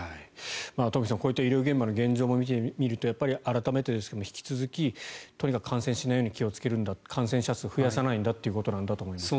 東輝さん、こういった医療現場の現状も見てみると改めてですが、引き続きとにかく感染しないように気をつけるんだ感染者数を増やさないんだということだと思います。